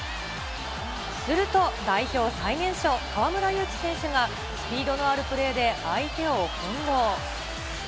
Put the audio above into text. すると、代表最年少、河村勇輝選手がスピードのあるプレーで相手をほんろう。